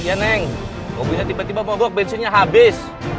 iya neng gw punya tiba tiba mau buang bensinnya habis